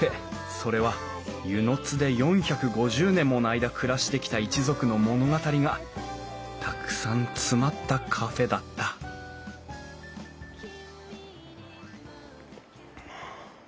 それは温泉津で４５０年もの間暮らしてきた一族の物語がたくさん詰まったカフェだった」はあ。